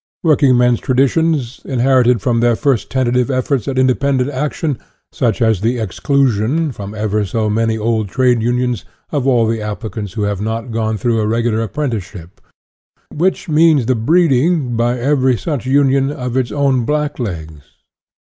Working men's traditions, inher ited from their first tentative efforts at independ ent action, such as the exclusion, from ever so many old Trade Unions, of all applicants who have not gone through a regular apprenticeship; which means the breeding, by every such union, of its own blacklegs.